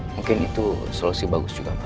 mungkin itu solusi bagus juga pak